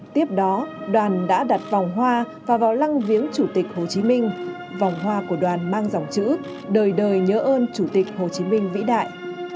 tiếp đó đoàn đã đặt vòng hoa và vào lăng viếng chủ tịch hồ chí minh vòng hoa của đoàn mang dòng chữ đời đời nhớ ơn chủ tịch hồ chí minh vĩ đại